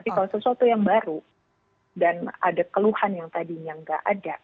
tapi kalau sesuatu yang baru dan ada keluhan yang tadinya nggak ada